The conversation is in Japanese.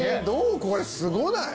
これすごない？